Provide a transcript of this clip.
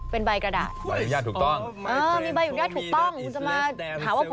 เป็นใบกระดาษ